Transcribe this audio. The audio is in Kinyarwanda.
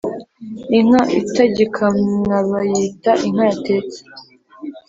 Inka itagikamwabayita inka yatetse